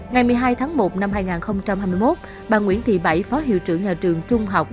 ngày một mươi hai tháng một năm hai nghìn hai mươi một bà nguyễn thị bảy phó hiệu trưởng nhà trường trung học